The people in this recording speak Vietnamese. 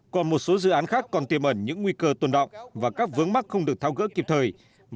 còn một số dự án khác còn tiêm ẩn những nguy cơ tuần đọng và các vướng mắc không được thao gỡ kịp thời